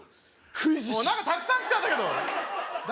クイズ神何かたくさん来たんだけど誰？